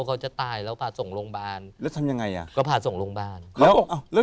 เขาจะตายแล้วพาส่งโรงพยาบาลแล้วทำยังไงอ่ะก็พาส่งโรงพยาบาล